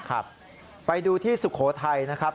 ครับไปดูที่สุโขทัยนะครับ